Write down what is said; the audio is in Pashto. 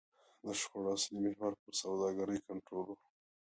د شخړو اصلي محور پر سوداګرۍ کنټرول و.